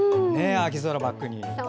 秋空をバックに。